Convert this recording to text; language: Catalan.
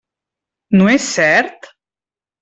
No és cert?